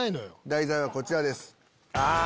題材はこちらです。